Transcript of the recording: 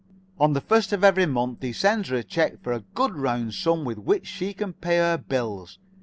On the first of every month he sends her a check for a good round sum with which she can pay her bills.